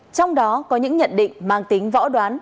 trong đó có những nhận định mang tính võ đoán